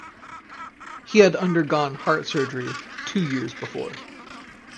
He had undergone heart surgery two years before.